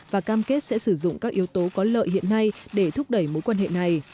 và cam kết sẽ sử dụng các yếu tố có lợi hiện nay để thúc đẩy mối quan hệ này